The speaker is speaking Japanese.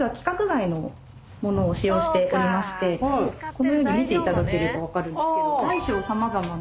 このように見ていただくと分かるんですけど大小様々な。